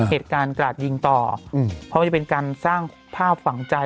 เหตุการณ์กราดยิงต่อเพราะว่าจะเป็นการสร้างภาพฝังใจ